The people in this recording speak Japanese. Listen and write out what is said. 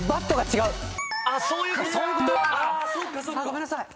ごめんなさい！